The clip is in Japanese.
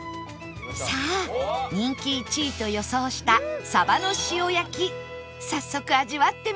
さあ人気１位と予想したさばの塩焼早速味わってみましょう